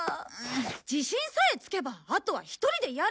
自信さえつけばあとは１人でやれるから！